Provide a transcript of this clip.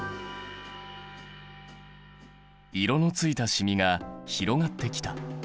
色のついた染みが広がってきた。